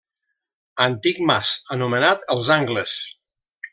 Antic mas anomenat els Angles.